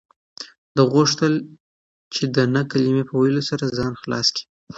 ده غوښتل چې د نه کلمې په ویلو سره ځان خلاص کړي.